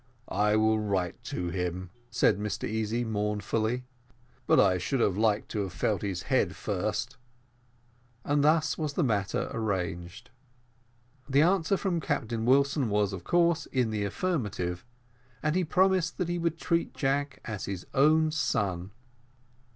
"I will write to him," said Mr Easy mournfully, "but I should have liked to have felt his head first;" and thus was the matter arranged. The answer from Captain Wilson was, of course, in the affirmative, and he promised that he would treat Jack as his own son.